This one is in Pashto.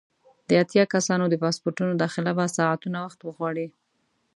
د اتیا کسانو د پاسپورټونو داخله به ساعتونه وخت وغواړي.